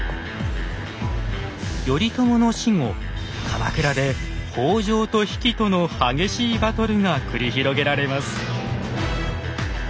頼朝の死後鎌倉で北条と比企との激しいバトルが繰り広げられます。